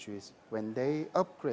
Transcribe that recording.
misalnya negara lain